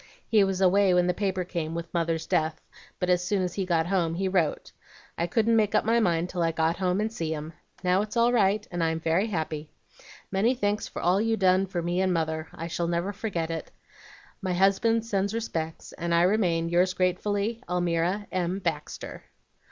He was away when the paper came with mother's death, but as soon as he got home he wrote. I couldn't make up my mind till I got home and see him. Now it's all right, and I am very happy. Many thanks for all you done for me and mother. I shall never forget it My husband sends respects, and I remain Yours gratefully, ALMIRA M. BAXTER.'"